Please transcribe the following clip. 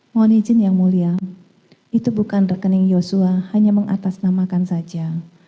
mohon izin yang mulia itu bukan rekening joshua hanya mengatasnamakan saja